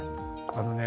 あのね